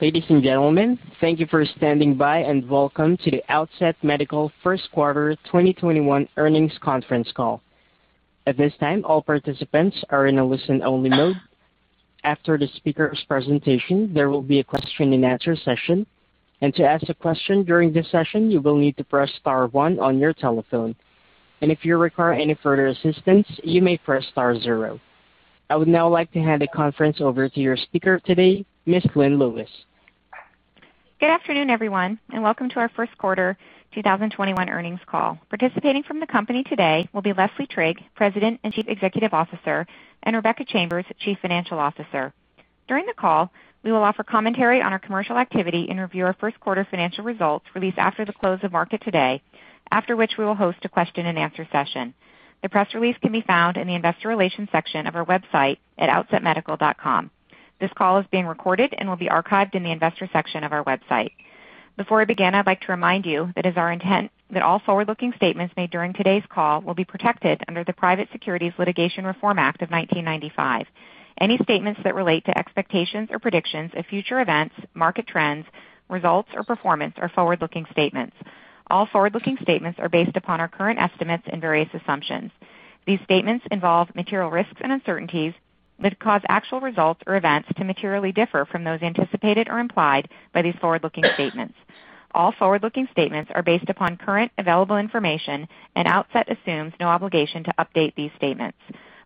Ladies and gentlemen, thank you for standing by, and welcome to the Outset Medical First Quarter 2021 Earnings Conference Call. At this time, all participants are in a listen-only mode. After the speaker's presentation, there will be a question-and-answer session. To ask a question during this session, you will need to press star one on your telephone. If you require any further assistance, you may press star zero. I would now like to hand the conference over to your speaker today, Ms. Lynn Lewis. Good afternoon, everyone, and welcome to our first quarter 2021 earnings call. Participating from the company today will be Leslie Trigg, President and Chief Executive Officer, and Rebecca Chambers, Chief Financial Officer. During the call, we will offer commentary on our commercial activity and review our first quarter financial results released after the close of market today, after which we will host a question-and-answer session. The press release can be found in the investor relations section of our website at outsetmedical.com. This call is being recorded and will be archived in the investor section of our website. Before I begin, I'd like to remind you that it is our intent that all forward-looking statements made during today's call will be protected under the Private Securities Litigation Reform Act of 1995. Any statements that relate to expectations or predictions of future events, market trends, results, or performance are forward-looking statements. All forward-looking statements are based upon our current estimates and various assumptions. These statements involve material risks and uncertainties that cause actual results or events to materially differ from those anticipated or implied by these forward-looking statements. All forward-looking statements are based upon current available information, and Outset assumes no obligation to update these statements.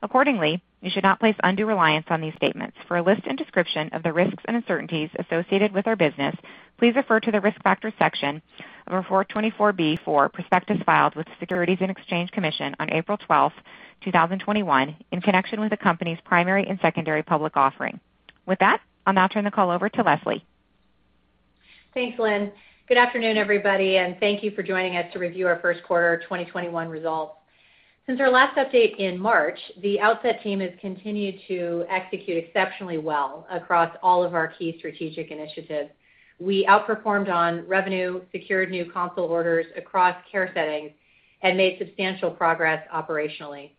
Accordingly, you should not place undue reliance on these statements. For a list and description of the risks and uncertainties associated with our business, please refer to the Risk Factors section of our 424B4 for prospectus filed with the Securities and Exchange Commission on April 12th, 2021, in connection with the company's primary and secondary public offering. With that, I'll now turn the call over to Leslie. Thanks, Lynn. Good afternoon, everybody, and thank you for joining us to review our first quarter 2021 results. Since our last update in March, the Outset team has continued to execute exceptionally well across all of our key strategic initiatives. We outperformed on revenue, secured new console orders across care settings, and made substantial progress operationally.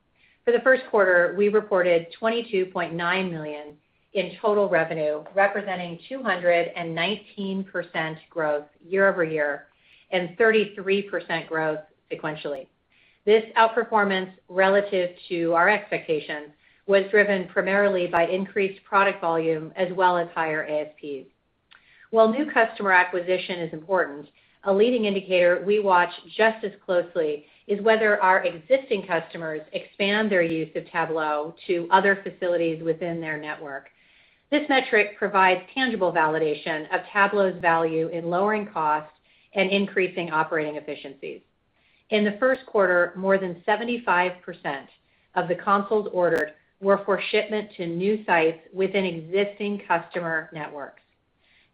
For the first quarter, we reported $22.9 million in total revenue, representing 219% growth year-over-year and 33% growth sequentially. This outperformance relative to our expectations was driven primarily by increased product volume as well as higher ASPs. While new customer acquisition is important, a leading indicator we watch just as closely is whether our existing customers expand their use of Tablo to other facilities within their network. This metric provides tangible validation of Tablo's value in lowering costs and increasing operating efficiencies. In the first quarter, more than 75% of the consoles ordered were for shipment to new sites within existing customer networks.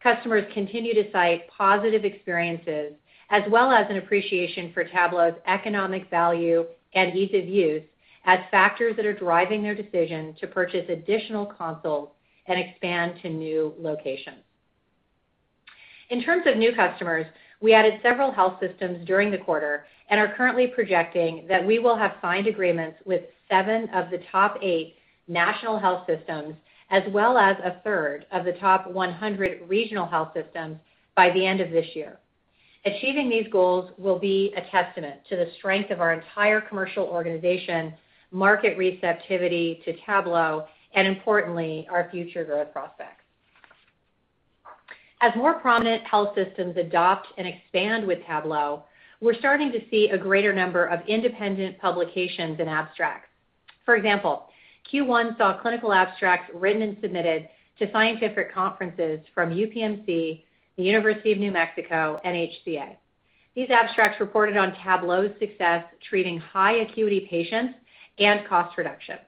Customers continue to cite positive experiences as well as an appreciation for Tablo's economic value and ease of use as factors that are driving their decision to purchase additional consoles and expand to new locations. In terms of new customers, we added several health systems during the quarter and are currently projecting that we will have signed agreements with seven of the top eight national health systems as well as a third of the top 100 regional health systems by the end of this year. Achieving these goals will be a testament to the strength of our entire commercial organization, market receptivity to Tablo, and importantly, our future growth prospects. As more prominent health systems adopt and expand with Tablo, we're starting to see a greater number of independent publications and abstracts. For example, Q1 saw clinical abstracts written and submitted to scientific conferences from UPMC, the University of New Mexico, and HCA. These abstracts reported on Tablo's success treating high acuity patients and cost reduction.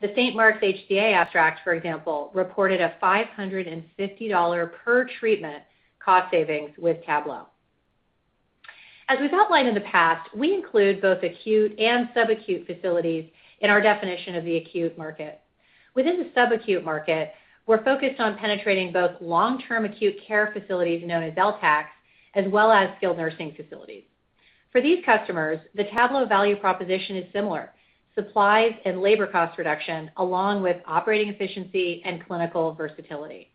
The St. Mark's HCA abstract, for example, reported a $550 per treatment cost savings with Tablo. As we've outlined in the past, we include both acute and sub-acute facilities in our definition of the acute market. Within the sub-acute market, we're focused on penetrating both long-term acute care facilities, known as LTACs, as well as skilled nursing facilities. For these customers, the Tablo value proposition is similar. Supplies and labor cost reduction, along with operating efficiency and clinical versatility.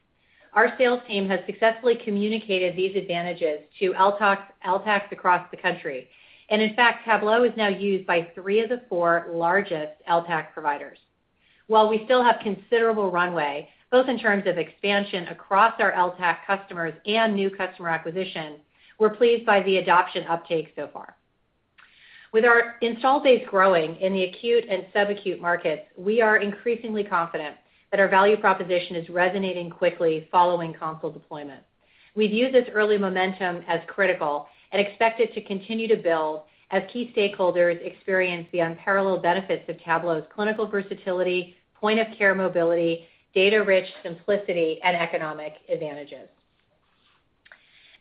Our sales team has successfully communicated these advantages to LTACs across the country. In fact, Tablo is now used by three of the four largest LTAC providers. While we still have considerable runway, both in terms of expansion across our LTAC customers and new customer acquisition, we're pleased by the adoption uptake so far. With our install base growing in the acute and sub-acute markets, we are increasingly confident that our value proposition is resonating quickly following console deployment. We view this early momentum as critical and expect it to continue to build as key stakeholders experience the unparalleled benefits of Tablo's clinical versatility, point-of-care mobility, data-rich simplicity, and economic advantages.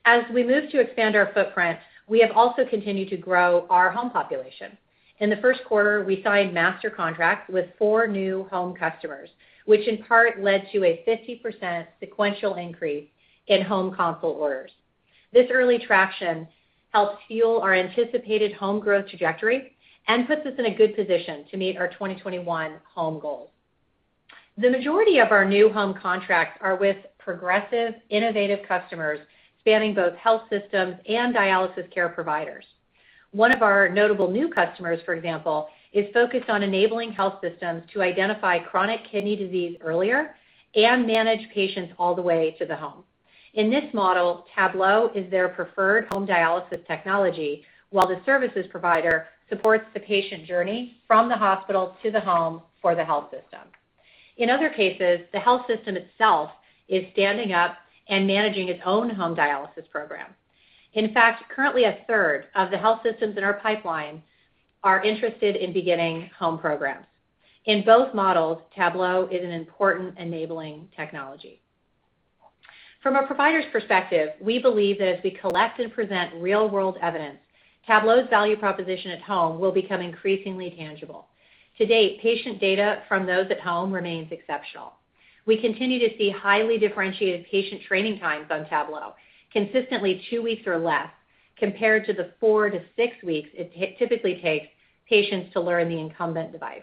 As we move to expand our footprint, we have also continued to grow our home population. In the first quarter, we signed master contracts with four new home customers, which in part led to a 50% sequential increase in home console orders. This early traction helps fuel our anticipated home growth trajectory and puts us in a good position to meet our 2021 home goals. The majority of our new home contracts are with progressive, innovative customers spanning both health systems and dialysis care providers. One of our notable new customers, for example, is focused on enabling health systems to identify chronic kidney disease earlier and manage patients all the way to the home. In this model, Tablo is their preferred home dialysis technology, while the services provider supports the patient journey from the hospital to the home for the health system. In other cases, the health system itself is standing up and managing its own home dialysis program. In fact, currently, a third of the health systems in our pipeline are interested in beginning home programs. In both models, Tablo is an important enabling technology. From a provider's perspective, we believe that as we collect and present real-world evidence, Tablo's value proposition at home will become increasingly tangible. To date, patient data from those at home remains exceptional. We continue to see highly differentiated patient training times on Tablo, consistently two weeks or less, compared to the four to six weeks it typically takes patients to learn the incumbent device.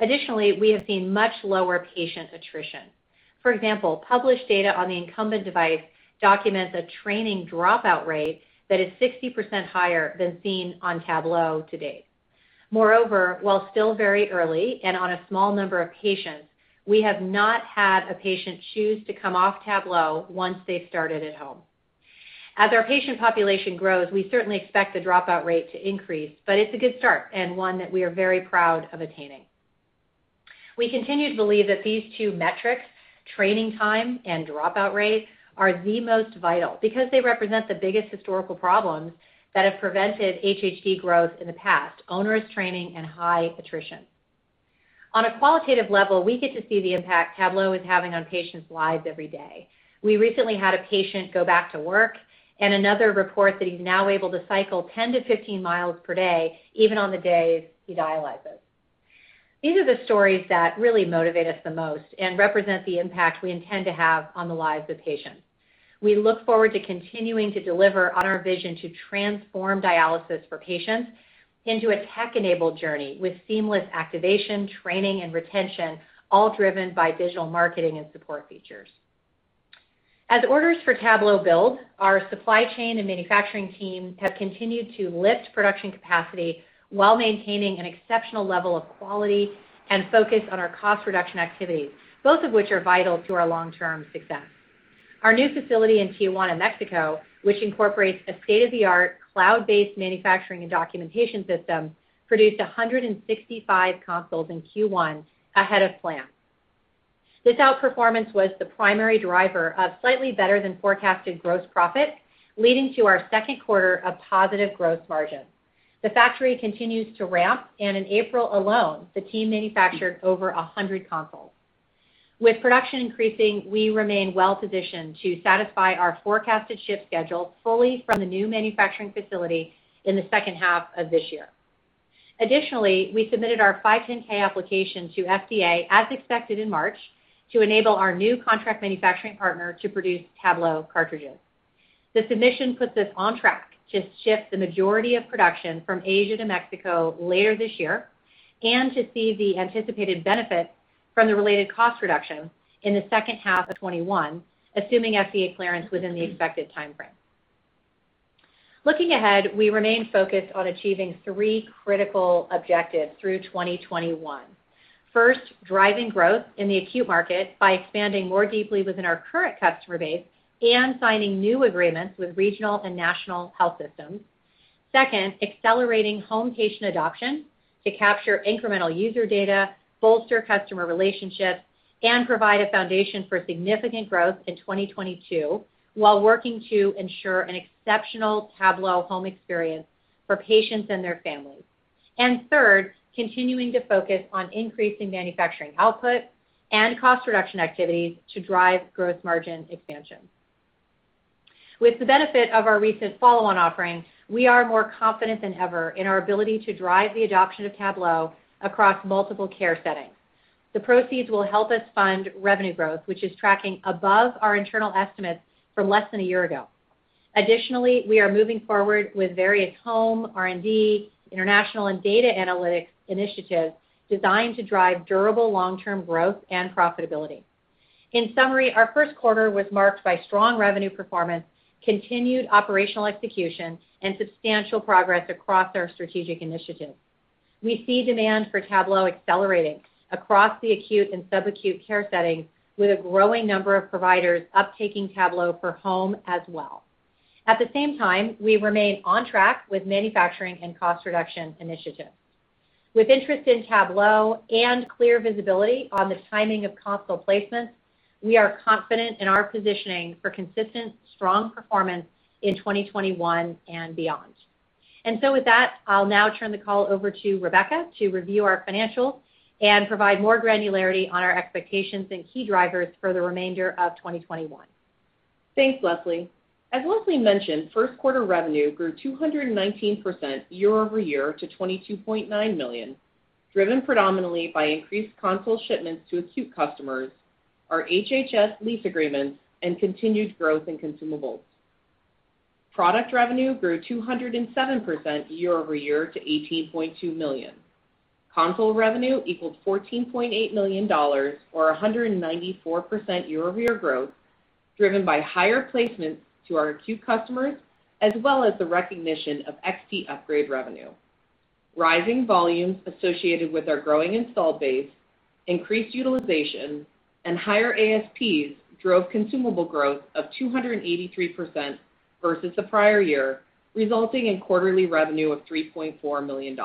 Additionally, we have seen much lower patient attrition. For example, published data on the incumbent device documents a training dropout rate that is 60% higher than seen on Tablo to date. Moreover, while still very early and on a small number of patients, we have not had a patient choose to come off Tablo once they've started at home. As our patient population grows, we certainly expect the dropout rate to increase, but it's a good start and one that we are very proud of attaining. We continue to believe that these two metrics, training time and dropout rate, are the most vital because they represent the biggest historical problems that have prevented HHD growth in the past, onerous training and high attrition. On a qualitative level, we get to see the impact Tablo is having on patients' lives every day. We recently had a patient go back to work and another report that he's now able to cycle 10 to 15 miles per day, even on the days he dialyzes. These are the stories that really motivate us the most and represent the impact we intend to have on the lives of patients. We look forward to continuing to deliver on our vision to transform dialysis for patients into a tech-enabled journey with seamless activation, training, and retention, all driven by digital marketing and support features. As orders for Tablo build, our supply chain and manufacturing team have continued to lift production capacity while maintaining an exceptional level of quality and focus on our cost reduction activities, both of which are vital to our long-term success. Our new facility in Tijuana, Mexico, which incorporates a state-of-the-art cloud-based manufacturing and documentation system, produced 165 consoles in Q1 ahead of plan. This outperformance was the primary driver of slightly better than forecasted gross profit, leading to our second quarter of positive growth margin. The factory continues to ramp. In April alone, the team manufactured over 100 consoles. With production increasing, we remain well-positioned to satisfy our forecasted ship schedule fully from the new manufacturing facility in the second half of this year. Additionally, we submitted our 510 application to FDA as expected in March to enable our new contract manufacturing partner to produce Tablo cartridges. The submission puts us on track to shift the majority of production from Asia to Mexico later this year and to see the anticipated benefit from the related cost reduction in the second half of 2021, assuming FDA clearance within the expected timeframe. Looking ahead, we remain focused on achieving three critical objectives through 2021. First, driving growth in the acute market by expanding more deeply within our current customer base and signing new agreements with regional and national health systems. Second, accelerating home patient adoption to capture incremental user data, bolster customer relationships, and provide a foundation for significant growth in 2022 while working to ensure an exceptional Tablo home experience for patients and their families. Third, continuing to focus on increasing manufacturing output and cost reduction activities to drive gross margin expansion. With the benefit of our recent follow-on offering, we are more confident than ever in our ability to drive the adoption of Tablo across multiple care settings. The proceeds will help us fund revenue growth, which is tracking above our internal estimates from less than a year ago. Additionally, we are moving forward with various home, R&D, international, and data analytics initiatives designed to drive durable long-term growth and profitability. In summary, our first quarter was marked by strong revenue performance, continued operational execution, and substantial progress across our strategic initiatives. We see demand for Tablo accelerating across the acute and subacute care settings with a growing number of providers uptaking Tablo for home as well. At the same time, we remain on track with manufacturing and cost reduction initiatives. With interest in Tablo and clear visibility on the timing of console placements, we are confident in our positioning for consistent, strong performance in 2021 and beyond. With that, I'll now turn the call over to Rebecca to review our financials and provide more granularity on our expectations and key drivers for the remainder of 2021. Thanks, Leslie. As Leslie mentioned, first quarter revenue grew 219% year-over-year to $22.9 million. Driven predominantly by increased console shipments to acute customers, our HHS lease agreements, and continued growth in consumables. Product revenue grew 207% year-over-year to $18.2 million. Console revenue equaled $14.8 million or 194% year-over-year growth, driven by higher placements to our acute customers as well as the recognition of XT upgrade revenue. Rising volumes associated with our growing installed base, increased utilization, and higher ASPs drove consumable growth of 283% versus the prior year, resulting in quarterly revenue of $3.4 million.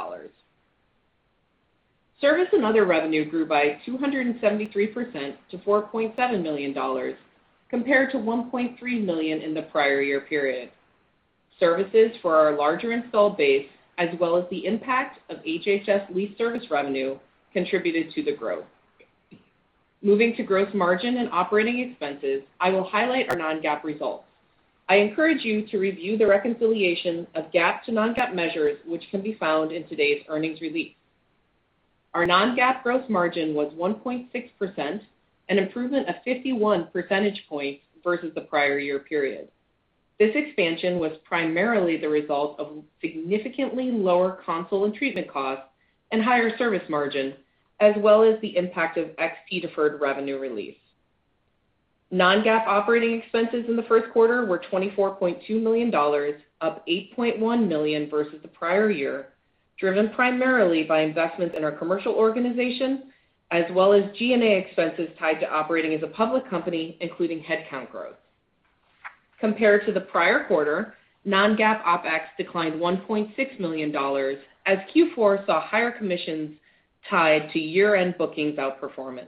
Service and other revenue grew by 273% to $4.7 million, compared to $1.3 million in the prior year period. Services for our larger installed base, as well as the impact of HHS lease service revenue, contributed to the growth. Moving to gross margin and operating expenses, I will highlight our non-GAAP results. I encourage you to review the reconciliation of GAAP to non-GAAP measures, which can be found in today's earnings release. Our non-GAAP gross margin was 1.6%, an improvement of 51 percentage points versus the prior year period. This expansion was primarily the result of significantly lower console and treatment costs and higher service margins, as well as the impact of XT deferred revenue release. non-GAAP operating expenses in the first quarter were $24.2 million, up $8.1 million versus the prior year, driven primarily by investments in our commercial organization as well as G&A expenses tied to operating as a public company, including headcount growth. Compared to the prior quarter, non-GAAP OpEx declined $1.6 million as Q4 saw higher commissions tied to year-end bookings outperformance.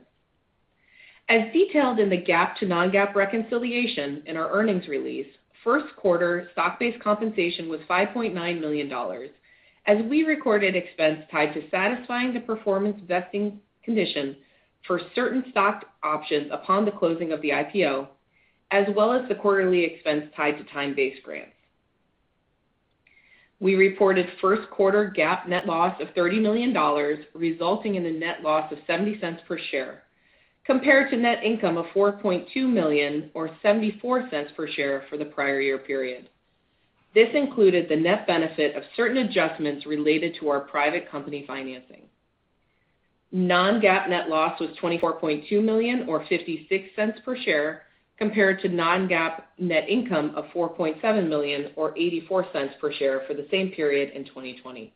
As detailed in the GAAP to non-GAAP reconciliation in our earnings release, first quarter stock-based compensation was $5.9 million as we recorded expense tied to satisfying the performance vesting conditions for certain stock options upon the closing of the IPO, as well as the quarterly expense tied to time-based grants. We reported first quarter GAAP net loss of $30 million, resulting in a net loss of $0.70 per share, compared to net income of $4.2 million or $0.74 per share for the prior year period. This included the net benefit of certain adjustments related to our private company financing. Non-GAAP net loss was $24.2 million or $0.56 per share, compared to non-GAAP net income of $4.7 million or $0.84 per share for the same period in 2020.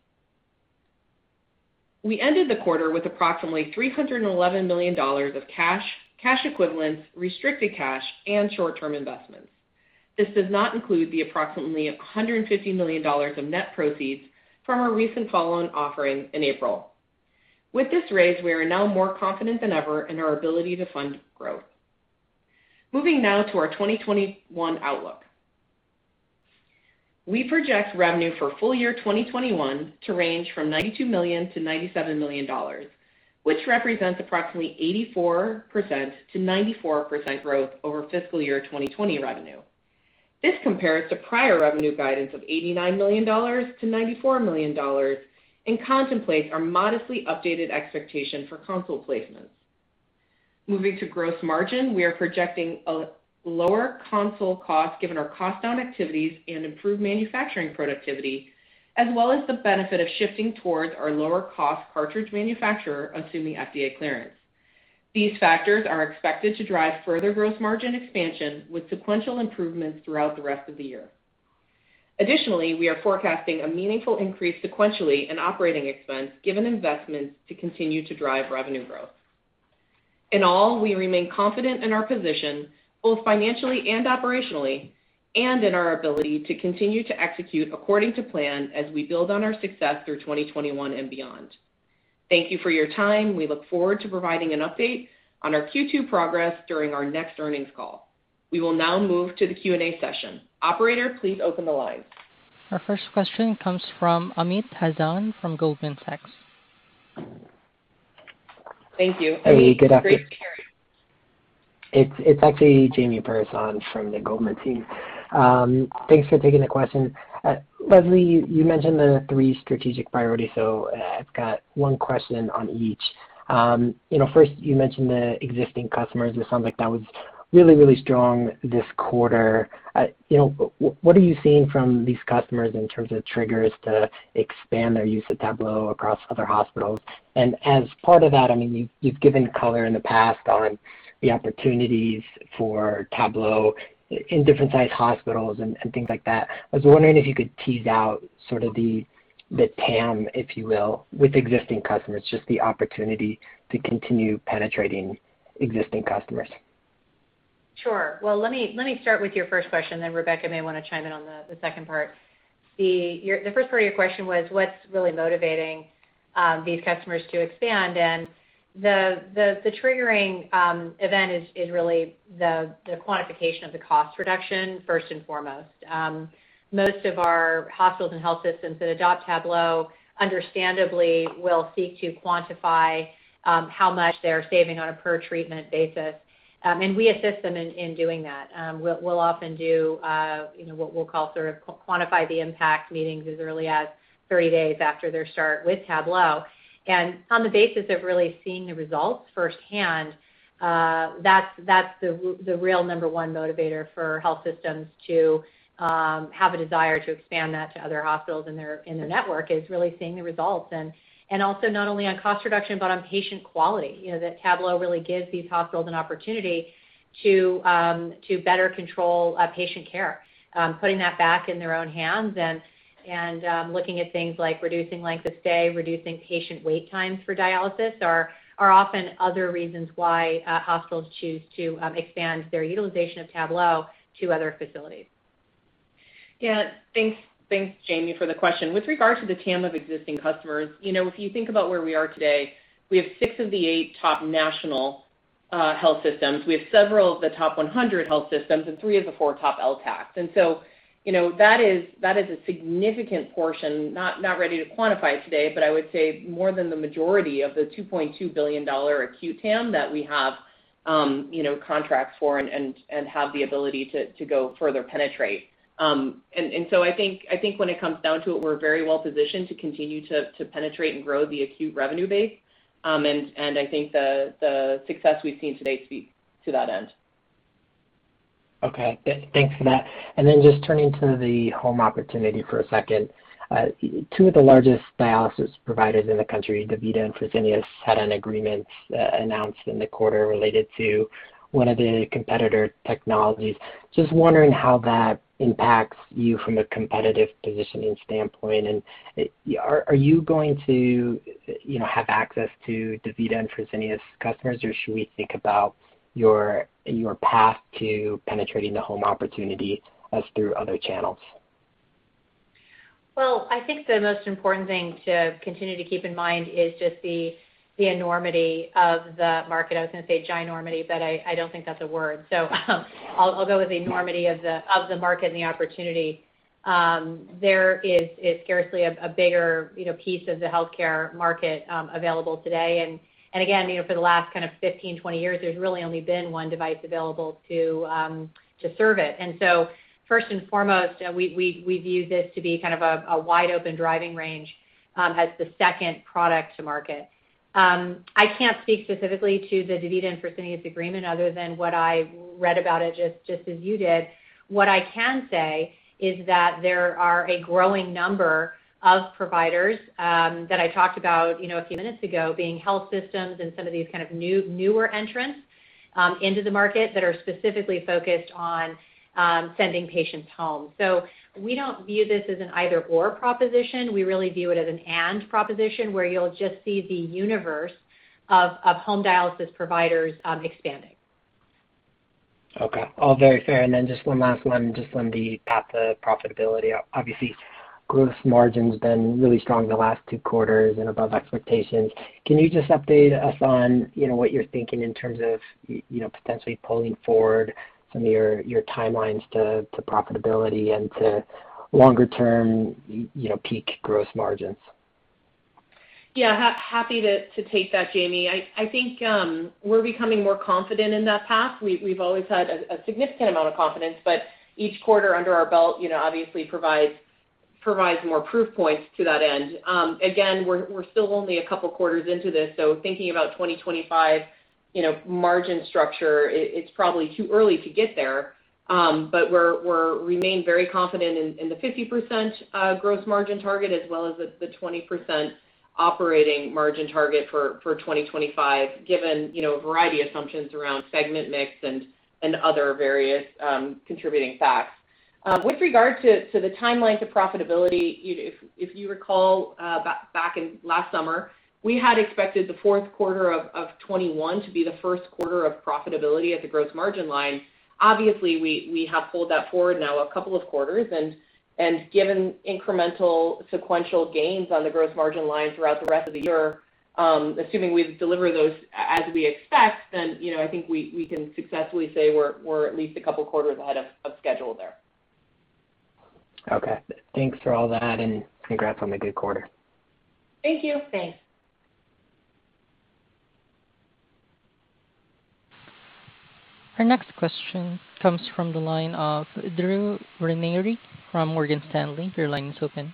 We ended the quarter with approximately $311 million of cash equivalents, restricted cash, and short-term investments. This does not include the approximately $150 million of net proceeds from our recent follow-on offering in April. With this raise, we are now more confident than ever in our ability to fund growth. Moving now to our 2021 outlook. We project revenue for full-year 2021 to range from $92 million-$97 million, which represents approximately 84%-94% growth over fiscal year 2020 revenue. This compares to prior revenue guidance of $89 million-$94 million and contemplates our modestly updated expectation for console placements. Moving to gross margin, we are projecting a lower console cost given our cost down activities and improved manufacturing productivity, as well as the benefit of shifting towards our lower-cost cartridge manufacturer assuming FDA clearance. These factors are expected to drive further gross margin expansion with sequential improvements throughout the rest of the year. Additionally, we are forecasting a meaningful increase sequentially in operating expense given investments to continue to drive revenue growth. In all, we remain confident in our position, both financially and operationally, and in our ability to continue to execute according to plan as we build on our success through 2021 and beyond. Thank you for your time. We look forward to providing an update on our Q2 progress during our next earnings call. We will now move to the Q&A session. Operator, please open the lines. Our first question comes from Amit Hazan from Goldman Sachs. Thank you. Hey, good after- Amit, great to hear you. It's actually Jamie Perse on from the Goldman team. Thanks for taking the question. Leslie, you mentioned the three strategic priorities, I've got one question on each. First, you mentioned the existing customers. It sounds like that was really strong this quarter. What are you seeing from these customers in terms of triggers to expand their use of Tablo across other hospitals? As part of that, you've given color in the past on the opportunities for Tablo in different-sized hospitals and things like that. I was wondering if you could tease out sort of the TAM, if you will, with existing customers, just the opportunity to continue penetrating existing customers. Sure. Well, let me start with your first question, then Rebecca may want to chime in on the second part. The first part of your question was what's really motivating these customers to expand. The triggering event is really the quantification of the cost reduction first and foremost. Most of our hospitals and health systems that adopt Tablo understandably will seek to quantify how much they're saving on a per treatment basis. We assist them in doing that. We'll often do what we'll call quantify the impact meetings as early as 30 days after their start with Tablo. On the basis of really seeing the results firsthand, that's the real number 1 motivator for health systems to have a desire to expand that to other hospitals in their network, is really seeing the results. Also not only on cost reduction but on patient quality, that Tablo really gives these hospitals an opportunity to better control patient care. Putting that back in their own hands and looking at things like reducing length of stay, reducing patient wait times for dialysis are often other reasons why hospitals choose to expand their utilization of Tablo to other facilities. Thanks, Jamie, for the question. With regard to the TAM of existing customers, if you think about where we are today, we have six of the eight top national health systems. We have several of the top 100 health systems and three of the four top LTACs. That is a significant portion, not ready to quantify today, but I would say more than the majority of the $2.2 billion acute TAM that we have contracts for and have the ability to go further penetrate. I think when it comes down to it, we're very well positioned to continue to penetrate and grow the acute revenue base. I think the success we've seen to date speaks to that end. Okay. Thanks for that. Turning to the home opportunity for a second. Two of the largest dialysis providers in the country, DaVita and Fresenius, had an agreement announced in the quarter related to one of the competitor technologies. Just wondering how that impacts you from a competitive positioning standpoint, and are you going to have access to DaVita and Fresenius customers, or should we think about your path to penetrating the home opportunity as through other channels? I think the most important thing to continue to keep in mind is just the enormity of the market. I was going to say ginormity, but I don't think that's a word. I'll go with the enormity of the market and the opportunity. There is scarcely a bigger piece of the healthcare market available today. Again, for the last 15, 20 years, there's really only been one device available to serve it. First and foremost, we view this to be a wide open driving range as the second product to market. I can't speak specifically to the DaVita and Fresenius agreement other than what I read about it, just as you did. What I can say is that there are a growing number of providers that I talked about a few minutes ago, being health systems and some of these kind of newer entrants into the market that are specifically focused on sending patients home. We don't view this as an either/or proposition. We really view it as an and proposition where you'll just see the universe of home dialysis providers expanding. Okay. All very fair. Just one last one, just on the path to profitability. Obviously, gross margin's been really strong the last two quarters and above expectations. Can you just update us on what you're thinking in terms of potentially pulling forward some of your timelines to profitability and to longer term peak gross margins? Happy to take that, Jamie. I think we're becoming more confident in that path. We've always had a significant amount of confidence, each quarter under our belt obviously provides more proof points to that end. Again, we're still only a couple quarters into this, so thinking about 2025 margin structure, it's probably too early to get there. We remain very confident in the 50% gross margin target as well as the 20% operating margin target for 2025, given a variety of assumptions around segment mix and other various contributing facts. With regard to the timelines of profitability, if you recall back in last summer, we had expected the fourth quarter of 2021 to be the first quarter of profitability at the gross margin line. We have pulled that forward now a couple of quarters, and given incremental sequential gains on the gross margin line throughout the rest of the year, assuming we deliver those as we expect, then I think we can successfully say we're at least a couple quarters ahead of schedule there. Okay. Thanks for all that, and congrats on the good quarter. Thank you. Thanks. Our next question comes from the line of Drew Ranieri from Morgan Stanley. Your line is open.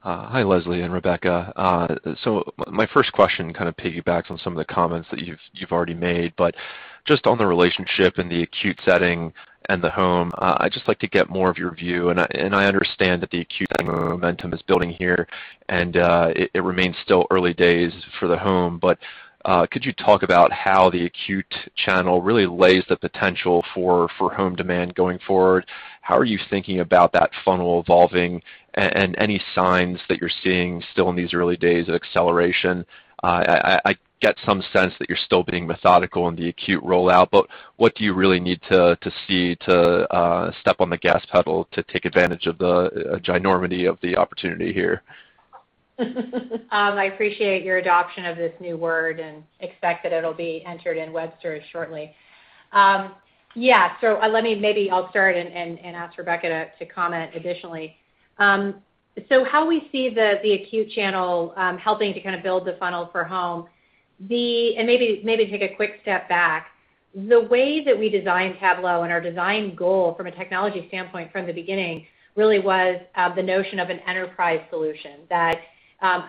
Hi, Leslie and Rebecca. My first question kind of piggybacks on some of the comments that you've already made, but just on the relationship in the acute setting and the home, I'd just like to get more of your view. I understand that the acute setting momentum is building here, and it remains still early days for the home, but could you talk about how the acute channel really lays the potential for home demand going forward? How are you thinking about that funnel evolving, and any signs that you're seeing still in these early days of acceleration? I get some sense that you're still being methodical in the acute rollout, but what do you really need to see to step on the gas pedal to take advantage of the ginormity of the opportunity here? I appreciate your adoption of this new word and expect that it'll be entered in Webster shortly. Maybe I'll start and ask Rebecca to comment additionally. How we see the acute channel helping to build the funnel for home. Maybe take a quick step back. The way that we designed Tablo and our design goal from a technology standpoint from the beginning really was the notion of an enterprise solution. That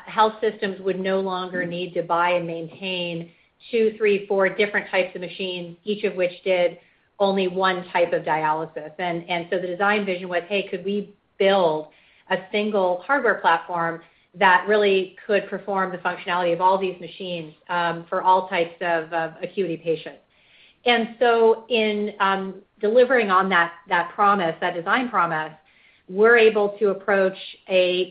health systems would no longer need to buy and maintain two, three, four different types of machines, each of which did only one type of dialysis. The design vision was, hey, could we build a single hardware platform that really could perform the functionality of all these machines, for all types of acuity patients. In delivering on that promise, that design promise, we're able to approach a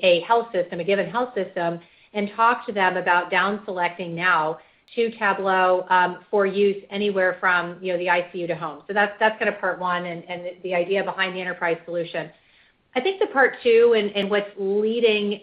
given health system and talk to them about down selecting now to Tablo, for use anywhere from the ICU to home. That's part one, and the idea behind the enterprise solution. I think the part two, and what's leading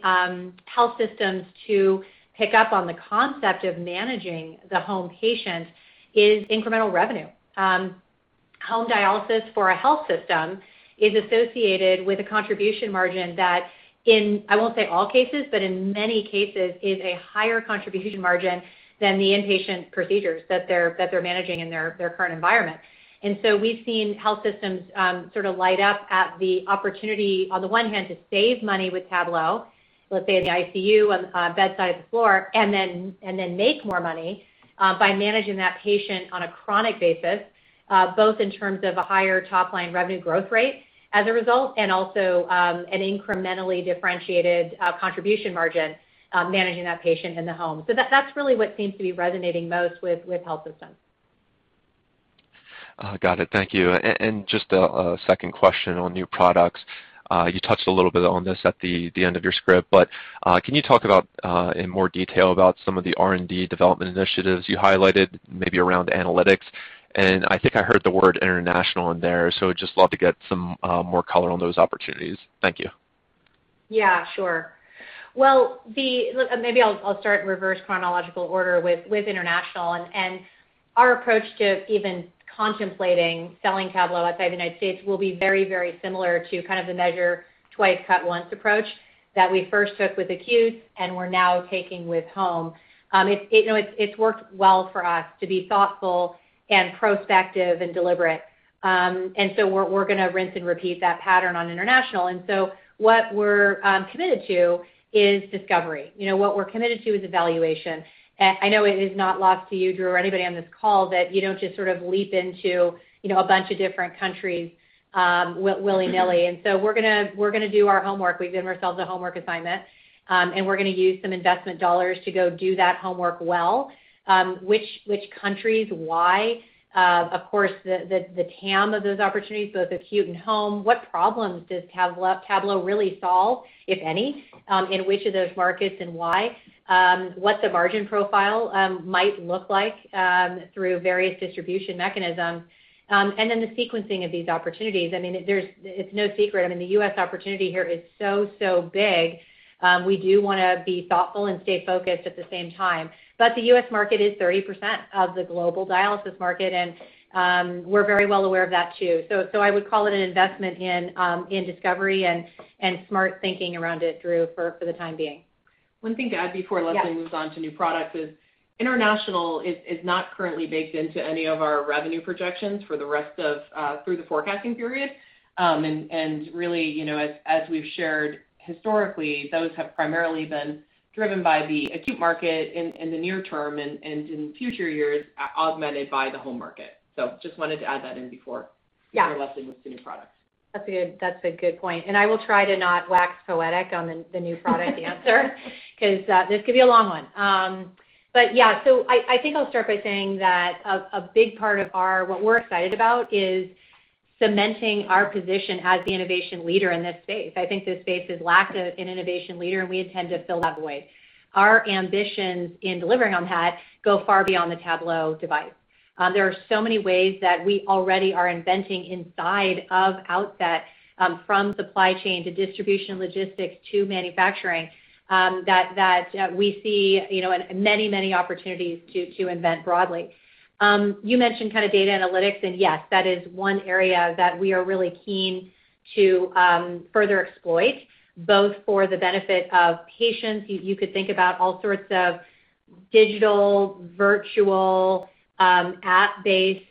health systems to pick up on the concept of managing the home patient is incremental revenue. Home dialysis for a health system is associated with a contribution margin that in, I won't say all cases, but in many cases is a higher contribution margin than the inpatient procedures that they're managing in their current environment. We've seen health systems sort of light up at the opportunity, on the one hand to save money with Tablo, let's say in the ICU, on bedside, the floor, and then make more money by managing that patient on a chronic basis, both in terms of a higher top-line revenue growth rate as a result, and also an incrementally differentiated contribution margin, managing that patient in the home. That's really what seems to be resonating most with health systems. Got it. Thank you. Just a second question on new products. You touched a little bit on this at the end of your script, but can you talk in more detail about some of the R&D development initiatives you highlighted maybe around analytics? I think I heard the word international in there, so just love to get some more color on those opportunities. Thank you. Yeah, sure. Maybe I'll start in reverse chronological order with international. Our approach to even contemplating selling Tablo outside the U.S. will be very similar to kind of the measure twice, cut once approach that we first took with acute and we're now taking with home. It's worked well for us to be thoughtful and prospective and deliberate. We're going to rinse and repeat that pattern on international. What we're committed to is discovery. What we're committed to is evaluation. I know it is not lost to you, Drew, or anybody on this call that you don't just sort of leap into a bunch of different countries willy-nilly. We're going to do our homework. We've given ourselves a homework assignment, and we're going to use some investment dollars to go do that homework well. Which countries, why? Of course, the TAM of those opportunities, both acute and home. What problems does Tablo really solve, if any, in which of those markets and why? What the margin profile might look like through various distribution mechanisms, and then the sequencing of these opportunities. It's no secret. The U.S. opportunity here is so big. We do want to be thoughtful and stay focused at the same time. The U.S. market is 30% of the global dialysis market, and we're very well aware of that too. I would call it an investment in discovery and smart thinking around it, Drew, for the time being. One thing to add before Leslie moves on to new products is international is not currently baked into any of our revenue projections through the forecasting period. Really as we've shared historically, those have primarily been driven by the acute market in the near-term and in future years, augmented by the home market. Just wanted to add that in before. Yeah Leslie moves to new products. That's a good point. I will try to not wax poetic on the new product answer because this could be a long one. I think I'll start by saying that a big part of what we're excited about is cementing our position as the innovation leader in this space. I think this space has lacked an innovation leader, and we intend to fill that void. Our ambitions in delivering on that go far beyond the Tablo device. There are so many ways that we already are inventing inside of Outset, from supply chain to distribution logistics to manufacturing, that we see many opportunities to invent broadly. You mentioned data analytics, and yes, that is one area that we are really keen to further exploit, both for the benefit of patients. You could think about all sorts of digital, virtual, app-based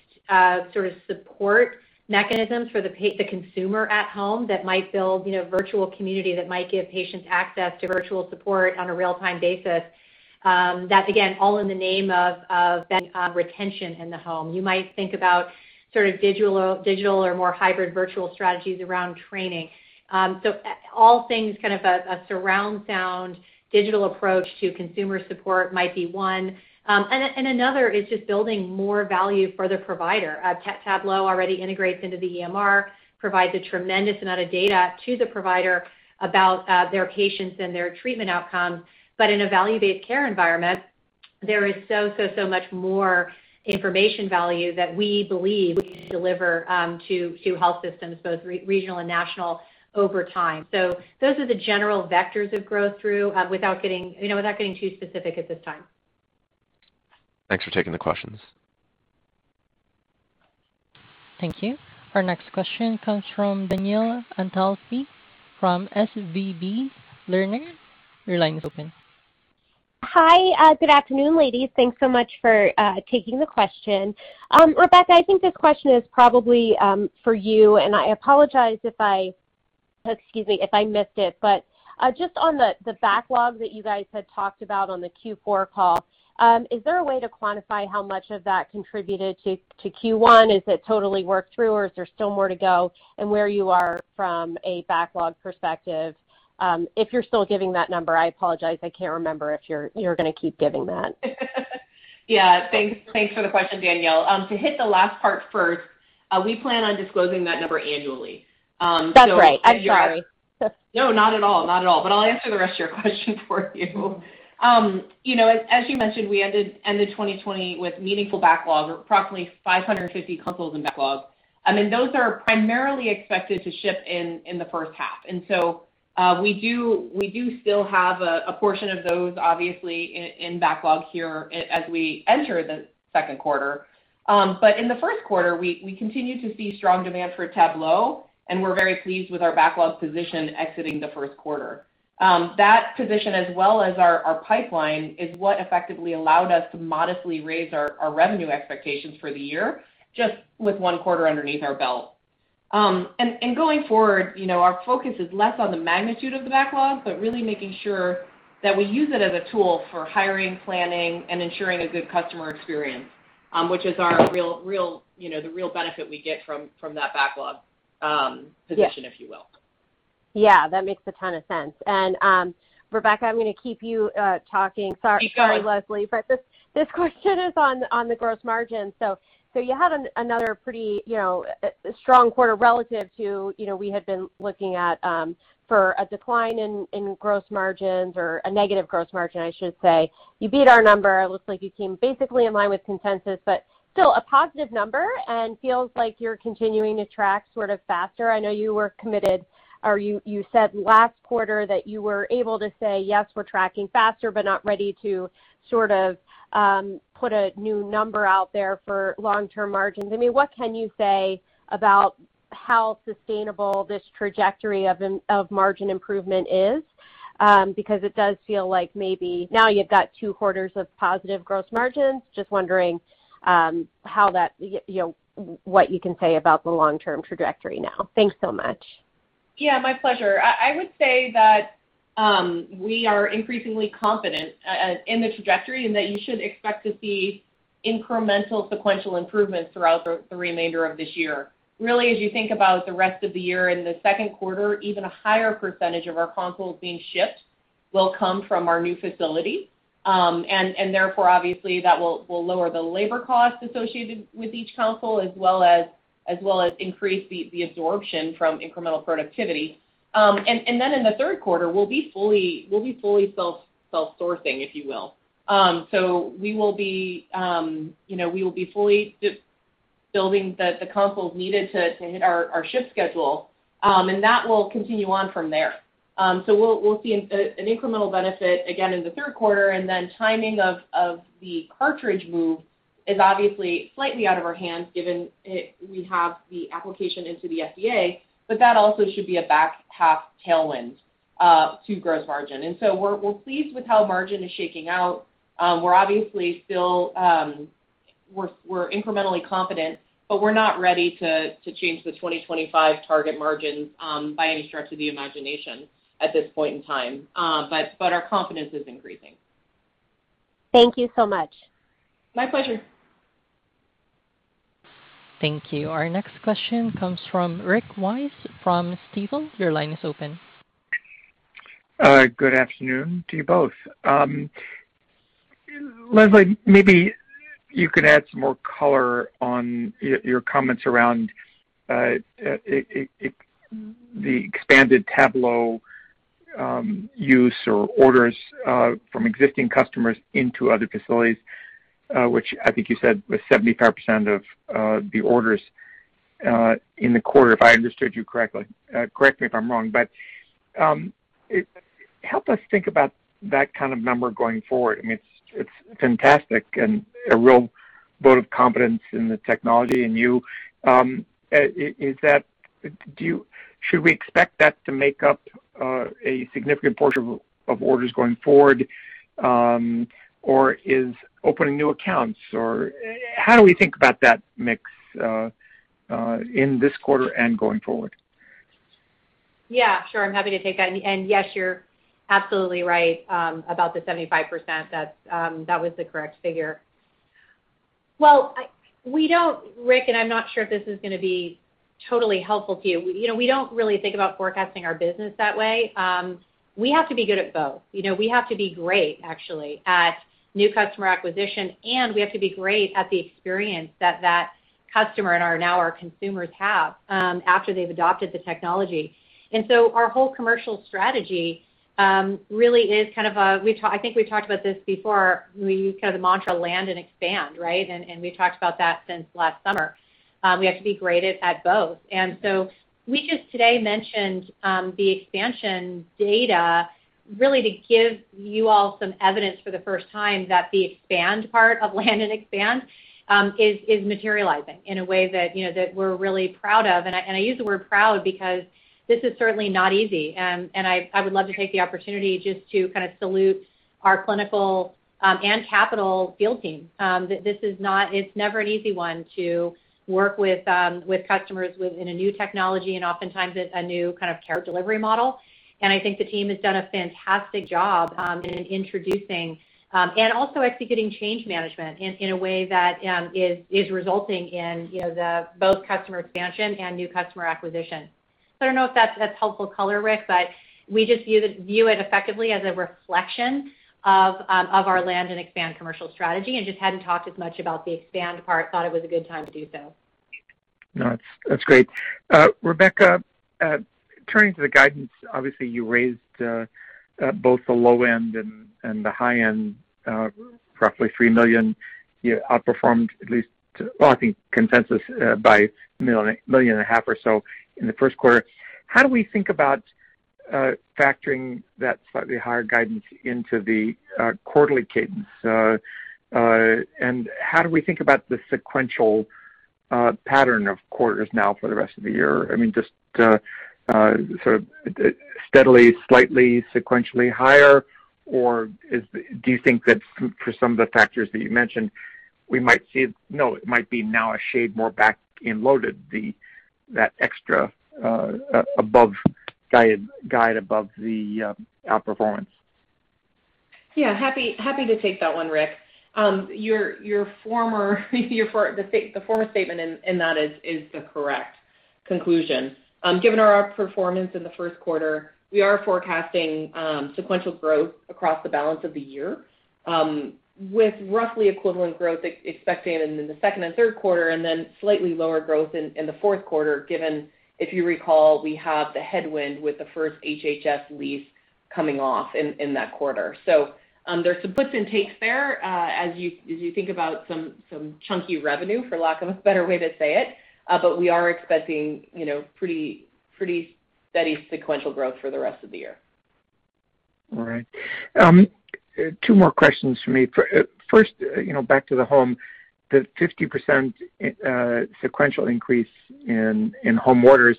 support mechanisms for the consumer at home that might build virtual community, that might give patients access to virtual support on a real-time basis. That, again, all in the name of retention in the home. You might think about digital or more hybrid virtual strategies around training. All things a surround sound digital approach to consumer support might be one. Another is just building more value for the provider. Tablo already integrates into the EMR, provides a tremendous amount of data to the provider about their patients and their treatment outcomes. In a value-based care environment. There is so much more information value that we believe we can deliver to health systems, both regional and national, over time. Those are the general vectors of growth through without getting too specific at this time. Thanks for taking the questions. Thank you. Our next question comes from Danielle Antalffy from SVB Leerink. Your line is open. Hi. Good afternoon, ladies. Thanks so much for taking the question. Rebecca, I think this question is probably for you, and I apologize if I missed it. Just on the backlog that you guys had talked about on the Q4 call, is there a way to quantify how much of that contributed to Q1? Is it totally worked through, or is there still more to go? And where you are from a backlog perspective? If you're still giving that number, I apologize, I can't remember if you're going to keep giving that. Yeah. Thanks for the question, Danielle. To hit the last part first, we plan on disclosing that number annually. That's right. I'm sorry. No, not at all. I'll answer the rest of your question for you. As you mentioned, we ended 2020 with meaningful backlog of approximately 550 consoles in backlog. Those are primarily expected to ship in the first half. We do still have a portion of those obviously in backlog here as we enter the second quarter. In the first quarter, we continued to see strong demand for Tablo, and we're very pleased with our backlog position exiting the first quarter. That position as well as our pipeline is what effectively allowed us to modestly raise our revenue expectations for the year, just with one quarter underneath our belt. Going forward, our focus is less on the magnitude of the backlog, but really making sure that we use it as a tool for hiring, planning, and ensuring a good customer experience, which is the real benefit we get from that backlog position if you will. Yeah, that makes a ton of sense. Rebecca, I'm going to keep you talking. Keep going. Sorry, Leslie. This question is on the gross margin. You had another pretty strong quarter relative to we had been looking at for a decline in gross margins or a negative gross margin, I should say. You beat our number. It looks like you came basically in line with consensus, but still a positive number and feels like you're continuing to track sort of faster. I know you said last quarter that you were able to say, "Yes, we're tracking faster," but not ready to sort of put a new number out there for long-term margins. What can you say about how sustainable this trajectory of margin improvement is? It does feel like maybe now you've got two quarters of positive gross margins. Just wondering what you can say about the long-term trajectory now. Thanks so much. Yeah, my pleasure. I would say that we are increasingly confident in the trajectory and that you should expect to see incremental sequential improvements throughout the remainder of this year. As you think about the rest of the year, in the second quarter, even a higher percentage of our consoles being shipped will come from our new facility. Therefore, obviously, that will lower the labor cost associated with each console, as well as increase the absorption from incremental productivity. Then in the third quarter, we'll be fully self-sourcing, if you will. We will be fully building the consoles needed to hit our ship schedule, and that will continue on from there. We'll see an incremental benefit again in the third quarter. Timing of the cartridge move is obviously slightly out of our hands given we have the application into the FDA, but that also should be a back half tailwind to gross margin. We're pleased with how margin is shaking out. We're incrementally confident, but we're not ready to change the 2025 target margins by any stretch of the imagination at this point in time. Our confidence is increasing. Thank you so much. My pleasure. Thank you. Our next question comes from Rick Wise from Stifel. Your line is open. Good afternoon to you both. Leslie, maybe you could add some more color on your comments around the expanded Tablo use or orders from existing customers into other facilities, which I think you said was 75% of the orders in the quarter, if I understood you correctly. Correct me if I'm wrong. Help us think about that kind of number going forward. It's fantastic and a real vote of confidence in the technology and you. Should we expect that to make up a significant portion of orders going forward? Is opening new accounts, or how do we think about that mix in this quarter and going forward? Yeah, sure. I'm happy to take that. Yes, you're absolutely right about the 75%. That was the correct figure. Well, Rick, I'm not sure if this is going to be totally helpful to you. We don't really think about forecasting our business that way. We have to be good at both. We have to be great, actually, at new customer acquisition, we have to be great at the experience that customer, and now our consumers have, after they've adopted the technology. Our whole commercial strategy really is, I think we've talked about this before, we use the mantra land and expand. We've talked about that since last summer. We have to be great at both. We just today mentioned the expansion data really to give you all some evidence for the first time that the expand part of land and expand is materializing in a way that we're really proud of. I use the word proud because this is certainly not easy, and I would love to take the opportunity just to salute our clinical and capital field team. It's never an easy one to work with customers within a new technology and oftentimes a new kind of care delivery model. I think the team has done a fantastic job in introducing, and also executing change management in a way that is resulting in both customer expansion and new customer acquisition. I don't know if that's helpful color, Rick Wise, but we just view it effectively as a reflection of our land and expand commercial strategy and just hadn't talked as much about the expand part. Thought it was a good time to do so. No, that's great. Rebecca, turning to the guidance, obviously you raised both the low-end and the high-end, roughly $3 million. You outperformed at least, I think, consensus by $1.5 million or so in the first quarter. How do we think about factoring that slightly higher guidance into the quarterly cadence? How do we think about the sequential pattern of quarters now for the rest of the year? Just steadily, slightly sequentially higher, or do you think that for some of the factors that you mentioned, we might see no, it might be now a shade more back end loaded, that extra guide above the outperformance? Happy to take that one, Rick. The former statement in that is the correct conclusion. Given our outperformance in the first quarter, we are forecasting sequential growth across the balance of the year with roughly equivalent growth expected in the second and third quarter and then slightly lower growth in the fourth quarter given, if you recall, we have the headwind with the first HHS lease coming off in that quarter. There's some puts and takes there as you think about some chunky revenue, for lack of a better way to say it. We are expecting pretty steady sequential growth for the rest of the year. All right. Two more questions from me. First, back to the home. The 50% sequential increase in home orders,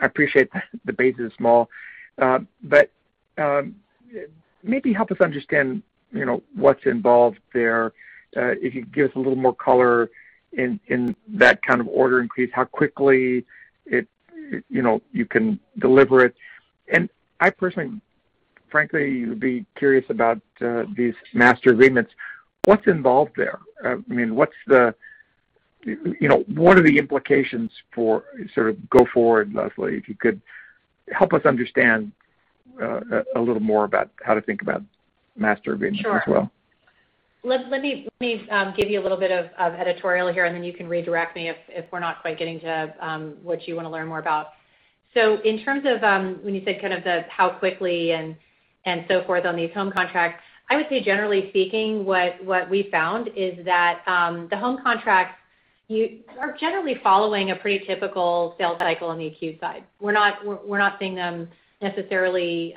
I appreciate the base is small. Maybe help us understand what's involved there. If you could give us a little more color in that kind of order increase, how quickly you can deliver it. I personally, frankly, would be curious about these master agreements. What's involved there? What are the implications for go forward, Leslie, if you could help us understand a little more about how to think about master agreements as well. Sure. Let me give you a little bit of editorial here, and then you can redirect me if we're not quite getting to what you want to learn more about. In terms of when you said how quickly and so forth on these home contracts, I would say generally speaking, what we found is that the home contracts are generally following a pretty typical sales cycle on the acute side. We're not seeing them necessarily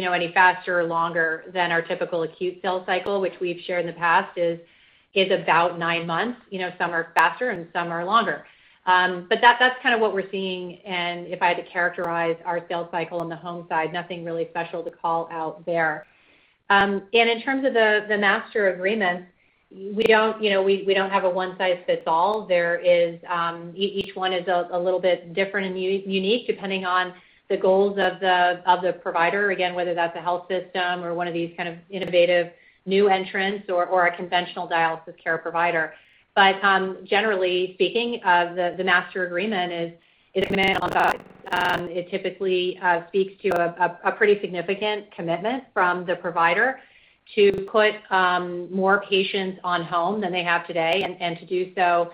any faster or longer than our typical acute sales cycle, which we've shared in the past is about nine months. Some are faster and some are longer. That's what we're seeing, and if I had to characterize our sales cycle on the home side, nothing really special to call out there. In terms of the master agreements, we don't have a one-size-fits-all. Each one is a little bit different and unique depending on the goals of the provider, again, whether that's a health system or one of these kind of innovative new entrants or a conventional dialysis care provider. Generally speaking, the master agreement is it typically speaks to a pretty significant commitment from the provider to put more patients on home than they have today and to do so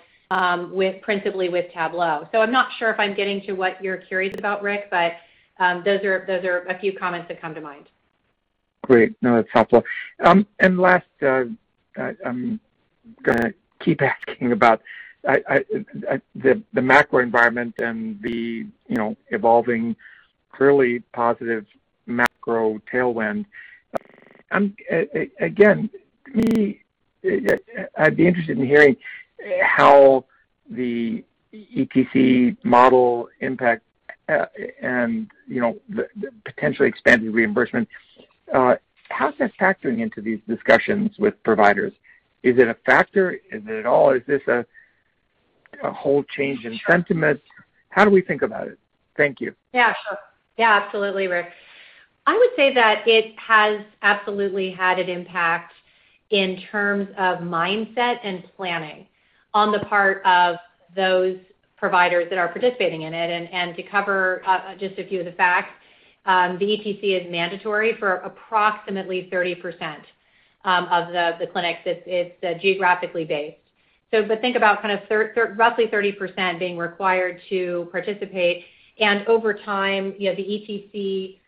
principally with Tablo. I'm not sure if I'm getting to what you're curious about, Rick, but those are a few comments that come to mind. Great. No, that's helpful. Last, I'm going to keep asking about the macro environment and the evolving, clearly positive macro tailwind. Again, I'd be interested in hearing how the ETC model impact and the potentially expanded reimbursement, how's that factoring into these discussions with providers? Is it a factor? Is it at all, is this a whole change in sentiment? How do we think about it? Thank you. Yeah, sure. Yeah, absolutely, Rick. I would say that it has absolutely had an impact in terms of mindset and planning on the part of those providers that are participating in it. To cover just a few of the facts, the ETC is mandatory for approximately 30% of the clinics. It's geographically based. Think about roughly 30% being required to participate, and over time, the ETC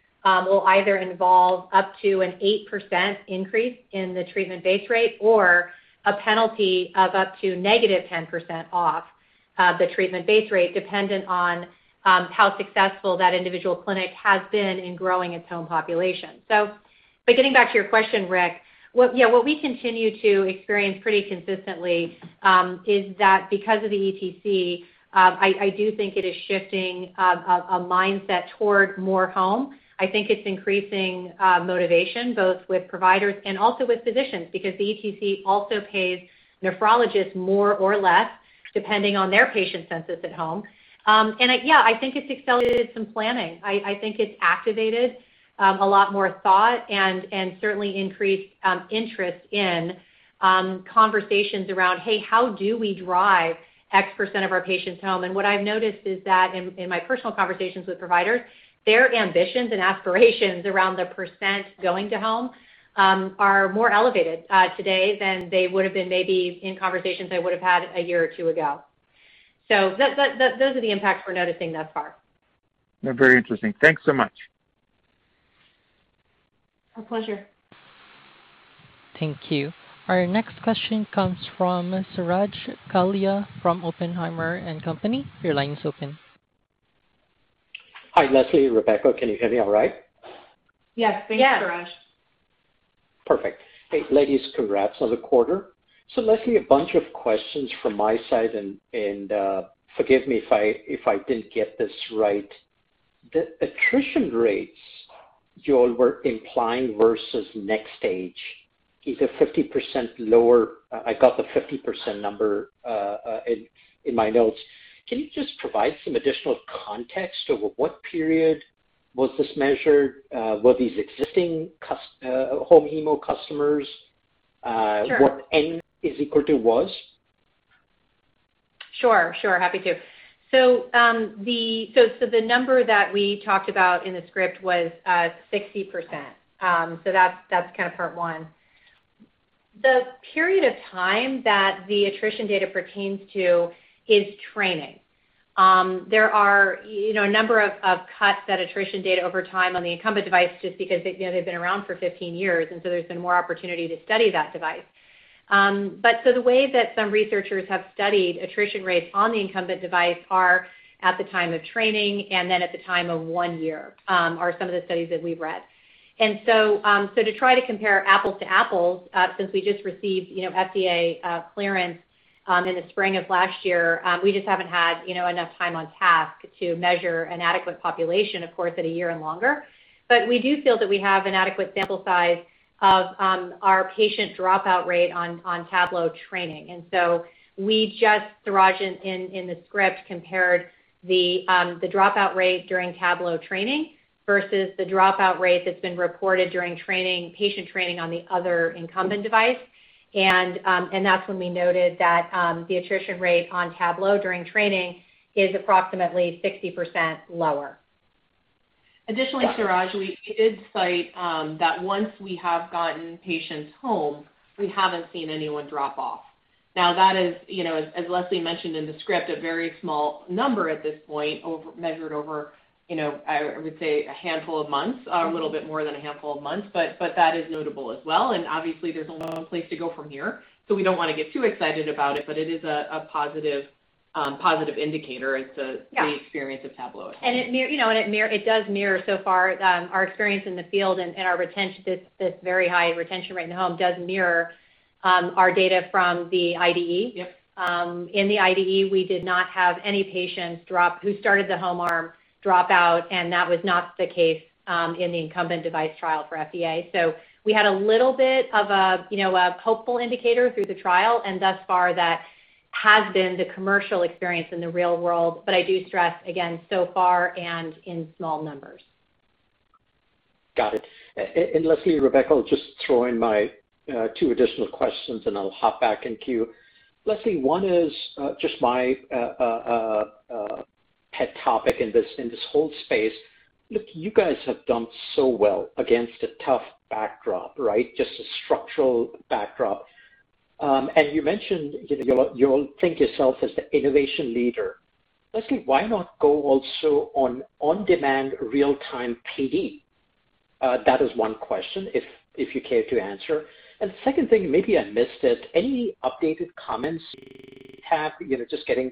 will either involve up to an 8% increase in the treatment base rate or a penalty of up to negative 10% off the treatment base rate, dependent on how successful that individual clinic has been in growing its home population. Getting back to your question, Rick, what we continue to experience pretty consistently, is that because of the ETC, I do think it is shifting a mindset toward more home. I think it's increasing motivation, both with providers and also with physicians, because the ETC also pays nephrologists more or less, depending on their patient census at home. Yeah, I think it's accelerated some planning. I think it's activated a lot more thought and certainly increased interest in conversations around, "Hey, how do we drive X% of our patients home?" What I've noticed is that in my personal conversations with providers, their ambitions and aspirations around the % going to home are more elevated today than they would've been maybe in conversations I would've had a year or two ago. Those are the impacts we're noticing thus far. Very interesting. Thanks so much. My pleasure. Thank you. Our next question comes from Suraj Kalia from Oppenheimer & Company. Your line is open. Hi, Leslie and Rebecca. Can you hear me all right? Yes. Thanks, Suraj. Yes. Perfect. Hey, ladies, congrats on the quarter. Leslie, a bunch of questions from my side and forgive me if I didn't get this right. The attrition rates you all were implying versus NxStage is 50% lower. I got the 50% number in my notes. Can you just provide some additional context over what period was this measured? Were these existing home hemo customers? Sure. What N is equal to was? The number that we talked about in the script was 60%. That's part one. The period of time that the attrition data pertains to is training. There are a number of cuts that attrition data over time on the incumbent device, just because they've been around for 15 years, there's been more opportunity to study that device. The way that some researchers have studied attrition rates on the incumbent device are at the time of training and then at the time of one year, are some of the studies that we've read. To try to compare apples to apples, since we just received FDA clearance in the spring of last year, we just haven't had enough time on task to measure an adequate population, of course, at a year and longer. We do feel that we have an adequate sample size of our patient dropout rate on Tablo training. We just, Suraj, in the script, compared the dropout rate during Tablo training versus the dropout rate that's been reported during patient training on the other incumbent device. That's when we noted that the attrition rate on Tablo during training is approximately 60% lower. Additionally, Suraj, we did cite that once we have gotten patients home, we haven't seen anyone drop off. Now that is, as Leslie mentioned in the script, a very small number at this point, measured over, I would say a handful of months, a little bit more than a handful of months. That is notable as well, and obviously there's only one place to go from here, so we don't want to get too excited about it, but it is a positive indicator into- Yeah ...the experience of Tablo at home. It does mirror so far, our experience in the field and this very high retention rate in the home does mirror our data from the IDE. Yep. In the IDE, we did not have any patients who started the home arm drop out, and that was not the case in the incumbent device trial for FDA. We had a little bit of a hopeful indicator through the trial, and thus far that has been the commercial experience in the real world. I do stress, again, so far and in small numbers. Got it. Leslie and Rebecca, I'll just throw in my two additional questions, and I'll hop back in queue. Leslie, one is just my pet topic in this whole space. Look, you guys have done so well against a tough backdrop, right? Just a structural backdrop. You mentioned you all think yourself as the innovation leader. Leslie, why not go also on on-demand real-time PD? That is one question, if you care to answer. Second thing, maybe I missed it, any updated comments you have, just getting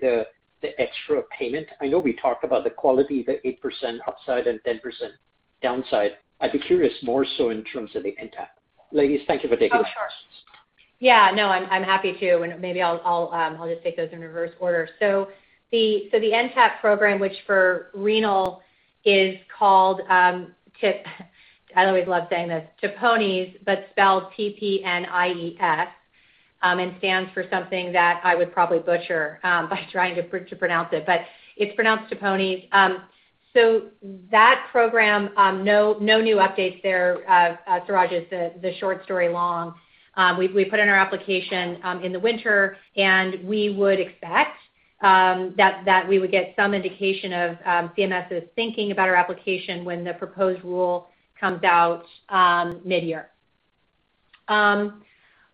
the extra payment. I know we talked about the quality, the 8% upside and 10% downside. I'd be curious more so in terms of the NTAP. Ladies, thank you for taking my questions. Oh, sure. Yeah, no, I'm happy to. Maybe I'll just take those in reverse order. The NTAP program, which for renal is called, I always love saying this, TPNIES, but spelled T-P-N-I-E-S. And it stands for something that I would probably butcher by trying to pronounce it, but it's pronounced TPNIES. That program, no new updates there, Suraj, is the short story long. We put in our application in the winter, and we would expect that we would get some indication of CMS's thinking about our application when the proposed rule comes out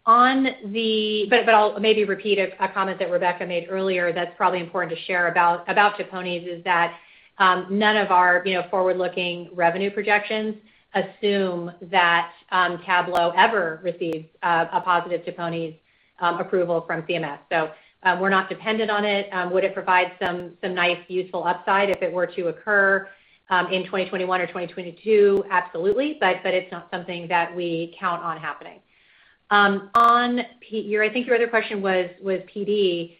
mid-year. I'll maybe repeat a comment that Rebecca made earlier that's probably important to share about TPNIES, is that none of our forward-looking revenue projections assume that Tablo ever receives a positive TPNIES approval from CMS. We're not dependent on it. Would it provide some nice useful upside if it were to occur in 2021 or 2022? Absolutely. It's not something that we count on happening. I think your other question was PD.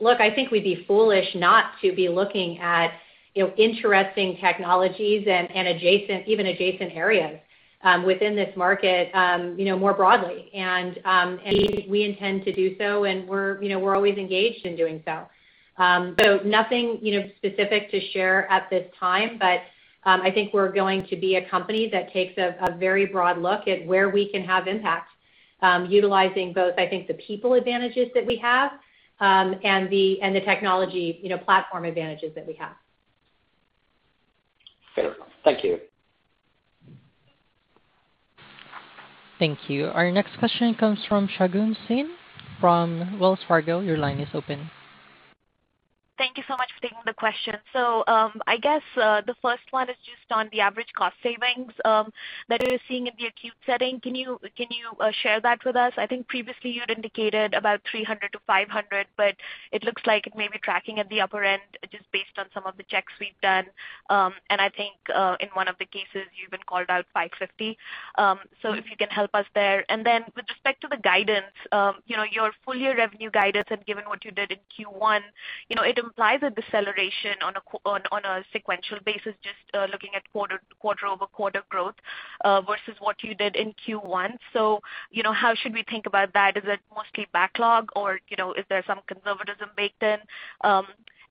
Look, I think we'd be foolish not to be looking at interesting technologies and even adjacent areas within this market more broadly. We intend to do so, and we're always engaged in doing so. Nothing specific to share at this time, but I think we're going to be a company that takes a very broad look at where we can have impact, utilizing both, I think the people advantages that we have and the technology platform advantages that we have. Fair enough. Thank you. Thank you. Our next question comes from Shagun Singh from Wells Fargo. Your line is open. Thank you so much for taking the question. I guess the first one is just on the average cost savings that you're seeing in the acute setting. Can you share that with us? I think previously you had indicated about $300 to $500, but it looks like it may be tracking at the upper end, just based on some of the checks we've done. I think in one of the cases you've been called out $550. If you can help us there. Then with respect to the guidance, your full year revenue guidance and given what you did in Q1, it implies a deceleration on a sequential basis, just looking at quarter-over-quarter growth versus what you did in Q1. How should we think about that? Is it mostly backlog or is there some conservatism baked in?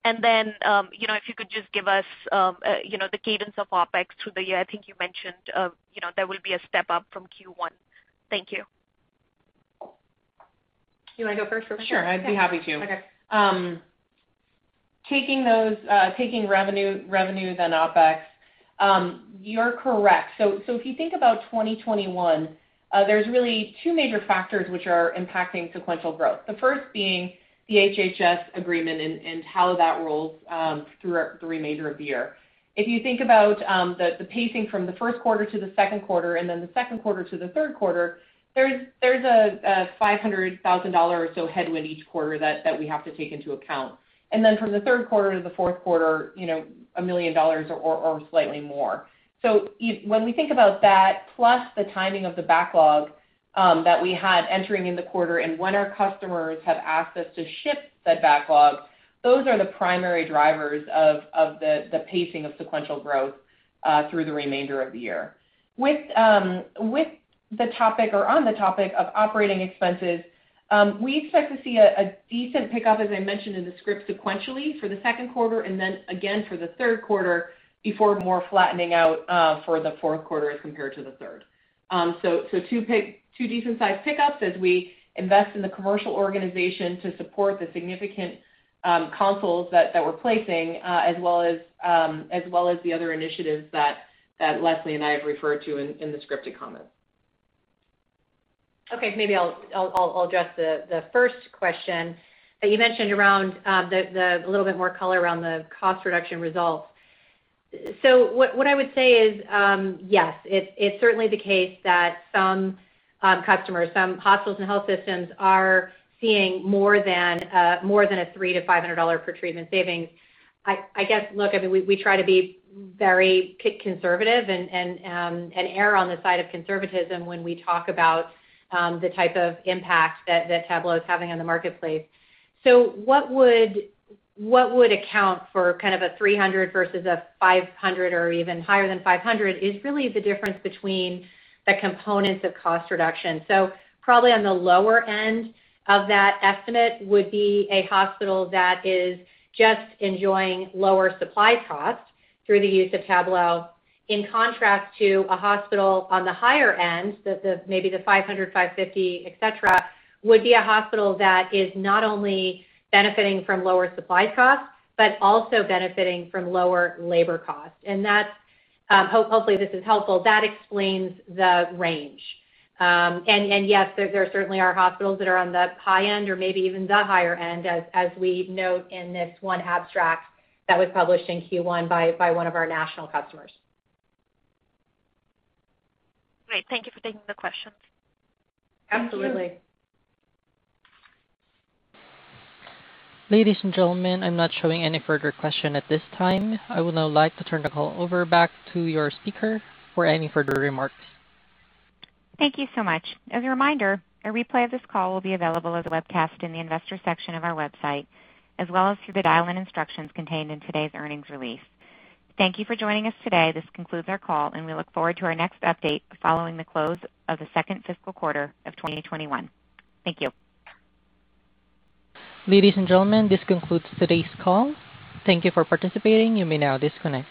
If you could just give us the cadence of OpEx through the year. I think you mentioned there will be a step up from Q1. Thank you. You want to go first, Rebecca? Sure, I'd be happy to. Okay. Taking revenues and OpEx. You're correct. If you think about 2021, there's really two major factors which are impacting sequential growth. The first being the HHS agreement and how that rolls through the remainder of the year. If you think about the pacing from the first quarter to the second quarter, and then the second quarter to the third quarter, there's a $500,000 or so headwind each quarter that we have to take into account. From the third quarter to the fourth quarter, $1 million or slightly more. When we think about that, plus the timing of the backlog that we had entering in the quarter and when our customers have asked us to ship said backlog, those are the primary drivers of the pacing of sequential growth through the remainder of the year. On the topic of operating expenses, we expect to see a decent pickup, as I mentioned in the script, sequentially for the second quarter, and then again for the third quarter before more flattening out for the fourth quarter as compared to the third. Two decent size pickups as we invest in the commercial organization to support the significant consoles that we're placing, as well as the other initiatives that Leslie and I have referred to in the scripted comments. Maybe I'll address the first question that you mentioned around a little bit more color around the cost reduction results. What I would say is, yes, it's certainly the case that some customers, some hospitals and health systems are seeing more than a $300-$500 per treatment savings. Look, we try to be very conservative and err on the side of conservatism when we talk about the type of impact that Tablo is having on the marketplace. What would account for kind of a 300 versus a 500 or even higher than 500 is really the difference between the components of cost reduction. Probably on the lower end of that estimate would be a hospital that is just enjoying lower supply costs through the use of Tablo. In contrast to a hospital on the higher end, maybe the 500, 550, et cetera, would be a hospital that is not only benefiting from lower supply costs, but also benefiting from lower labor costs. Hopefully this is helpful. That explains the range. Yes, there certainly are hospitals that are on the high end or maybe even the higher end, as we note in this one abstract that was published in Q1 by one of our national customers. Great. Thank you for taking the questions. Absolutely. Thank you. Ladies and gentlemen, I'm not showing any further question at this time. I would now like to turn the call over back to your speaker for any further remarks. Thank you so much. As a reminder, a replay of this call will be available as a webcast in the Investor section of our website, as well as through the dial-in instructions contained in today's earnings release. Thank you for joining us today. This concludes our call, and we look forward to our next update following the close of the second fiscal quarter of 2021. Thank you. Ladies and gentlemen, this concludes today's call. Thank you for participating. You may now disconnect.